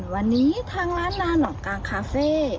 วันนี้ทางร้านนานอมกลางคาเฟ่